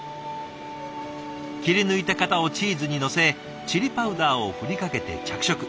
切り抜いた型をチーズにのせチリパウダーを振りかけて着色。